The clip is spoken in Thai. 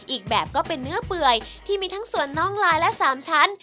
อีกแบบก็เป็นเนื้อเปื่อยที่มีทั้งส่วนน้องลายและ๓ชั้น